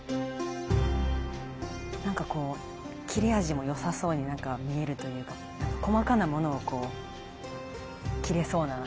なんかこう切れ味も良さそうに見えるというか細かなものをこう切れそうなイメージがあるんですけど